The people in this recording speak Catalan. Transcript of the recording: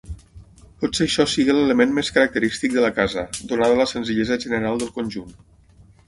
Potser això sigui l'element més característic de la casa, donada la senzillesa general del conjunt.